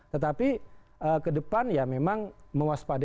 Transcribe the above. tetapi ke depan ya memang mewaspadai